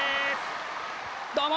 どうも！